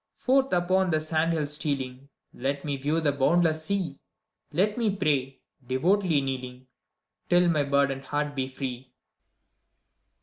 Forth upon the sand hills stealing, Let me view the boundless sea! Let me pray, devoutly kneeling. Till my burdened heart be free!